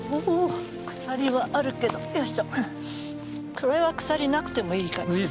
これは鎖なくてもいい感じですね。